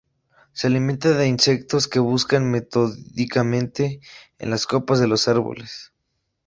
Se alimenta de insectos que busca metódicamente en las copas de los árboles.